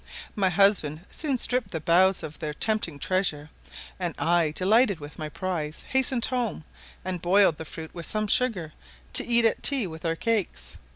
My husband soon stripped the boughs of their tempting treasure, and I, delighted with my prize, hastened home, and boiled the fruit with some sugar, to eat at tea with our cakes.